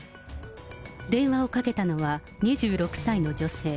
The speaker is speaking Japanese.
電話をかけたのは２６歳の女性。